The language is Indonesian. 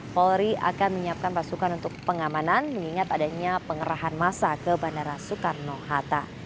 polri akan menyiapkan pasukan untuk pengamanan mengingat adanya pengerahan masa ke bandara soekarno hatta